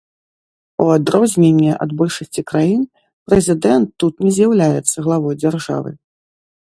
У адрозненне ад большасці краін, прэзідэнт тут не з'яўляецца главой дзяржавы.